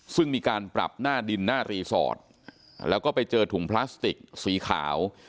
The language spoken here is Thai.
ซึ่งมีการปรับหน้าดินหน้ารีสอร์ทแล้วก็ไปเจอถุงพลาสติกสีขาว